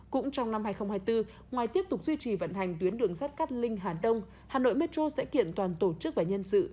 cũng trong năm hai nghìn hai mươi bốn ngoài tiếp tục duy trì vận hành tuyến đường sắt cát linh hà đông hà nội metro sẽ kiện toàn tổ chức và nhân sự